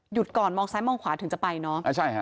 ก่อนมองซ้ายมองขวาถึงจะไปเนอะ